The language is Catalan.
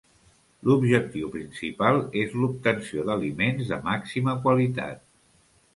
L'objectiu principal és l'obtenció d'aliments de màxima qualitat.